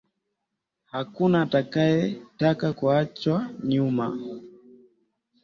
Hakuna atakaye taka kuachwa nyuma